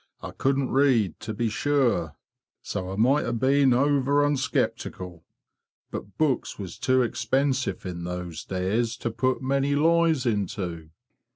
A' couldn't read, to be sure; so a' might have been ower unsceptical. But books was too expensive in those days to put many lies into.